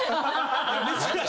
珍しい。